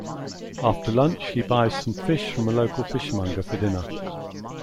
After lunch he buys some fish from a local fishmonger for dinner.